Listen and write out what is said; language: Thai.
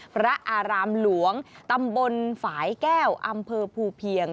พระอารามหลวงตำบลฝ่ายแก้วอำเภอภูเพียง